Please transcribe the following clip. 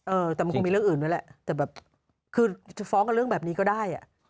เออแต่มันคงมีเรื่องอื่นด้วยแหละแต่แบบคือจะฟ้องกับเรื่องแบบนี้ก็ได้อ่ะ